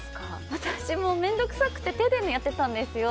私は面倒くさくて手でやってたんですよ。